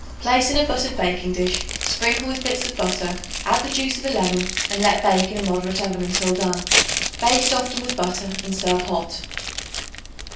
Place in a buttered baking dish; sprinkle with bits of butter; add the juice of a lemon, and let bake in a moderate oven until done. Baste often with butter and serve hot.